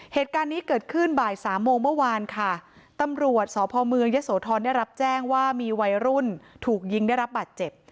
เหตุการณ์นี้เกิดขึ้นบ่ายสามโมงเมื่อวานค่ะตำรวจสพเมืองยะโสธรได้รับแจ้งว่ามีวัยรุ่นถูกยิงได้รับบาดเจ็บ